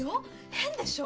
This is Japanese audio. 変でしょ？